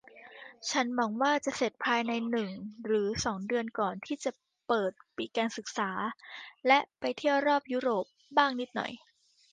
ฉันหวังว่าจะเสร็จภายในหนึ่งหรือสองเดือนก่อนที่จะเปิดปีการศึกษาและไปเที่ยวรอบยุโรปบ้างนิดหน่อย